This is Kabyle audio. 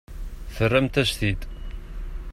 Terramt-as-t-id.